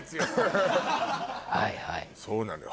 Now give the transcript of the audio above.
そうなのよ